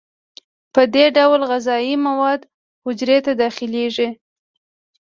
په دې ډول غذایي مواد حجرې ته داخلیږي.